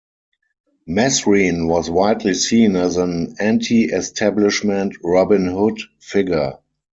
Mesrine was widely seen as an anti-establishment 'Robin Hood' figure.